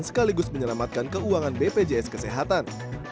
sekaligus menyelamatkan keuangan bpjs kesehatan